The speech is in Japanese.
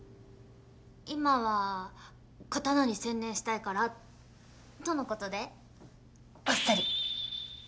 今は刀に専念したいからとのことでばっさり。